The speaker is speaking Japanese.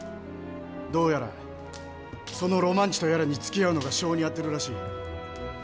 どうやらそのロマンチとやらにつきあうのが性に合ってるらしい。